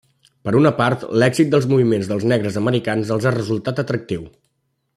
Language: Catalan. Per una part, l'èxit dels moviments dels negres americans els ha resultat atractiu.